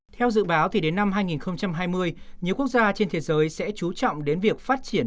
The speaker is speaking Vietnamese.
theo dự báo thì đến năm hai nghìn hai mươi nhiều quốc gia trên thế giới sẽ chú trọng đến việc phát triển